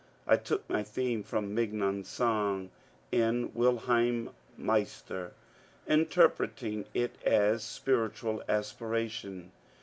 I took my theme from Mignon's song in ^^ Wilhelm Meister," interpreting it as spiritual aspiration.